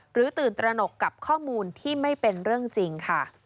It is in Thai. ตื่นตระหนกกับข้อมูลที่ไม่เป็นเรื่องจริงค่ะ